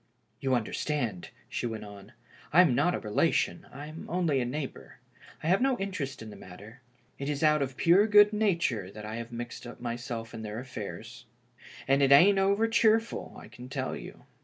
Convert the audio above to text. "You understand," she went on, " I am not a relation, I'm only a neighbor. I have no interest in the mat ter. It is out of pure good nature that I h^ave mixed myself up in their affairs. And it ain't over cheerful, I can tell you.